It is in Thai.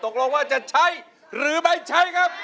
ตกลงว่าจะใช้หรือไม่ใช้ครับ